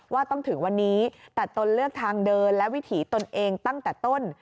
ว่าต้องถึงวันนี้แต่ตนเลือกทางเดินและวิถีตนเองตั้งแต่ต้น